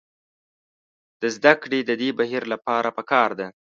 د زدکړې د دې بهیر لپاره پکار ده.